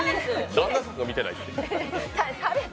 旦那さんが見てないって。